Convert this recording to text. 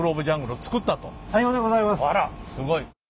あらすごい。